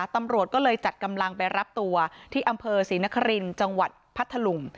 ตำรวจก็เลยจัดกำลังไปรับตัวที่อำเภอศรีนครินทร์จังหวัดพัทธลุง